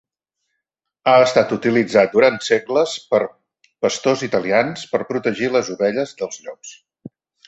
Ha estat utilitzat durant segles per pastors italians per protegir les ovelles dels llops.